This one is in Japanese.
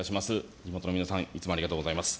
地元の皆さん、いつもありがとうございます。